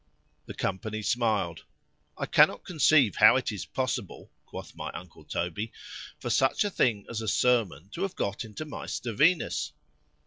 The company smiled. I cannot conceive how it is possible, quoth my uncle Toby, for such a thing as a sermon to have got into my _Stevinus.